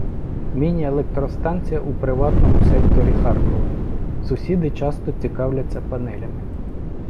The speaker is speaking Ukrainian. Міні - електростанція у приватному секторі Харкова Сусіди часто цікавляться панелями.